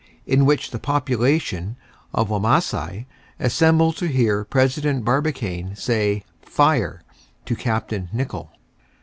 IN WHICH THE POPULATION OF WAMASAI ASSEMBLE TO HEAR PRESIDENT BARBICANE SAY "FIRE" TO CAPT. NICHOLL.